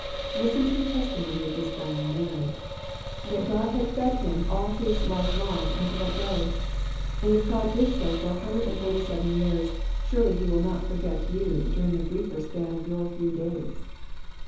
Listen to the testimony of this dying man, that God had i5 2 Jlrrseplx at tfee gcatiy getr uf Jaroh. fed him all his life long unto that day. And if God did so for a hundred and forty seven years, surely He will not forget you during the briefer span of your few days.